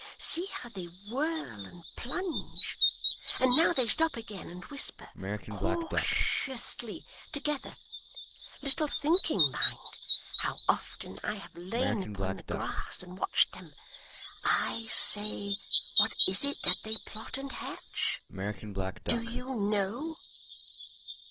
See how they whirl and plunge. And now they stop again, and whisper, cautiously together little thinking, mind, how often I have lain upon the grass and watched them. I say what is it that they plot and hatch? Do you know?